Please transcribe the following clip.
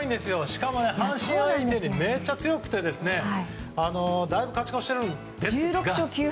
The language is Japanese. しかも阪神相手にめっちゃ強くてだいぶ勝ち越してるんですが。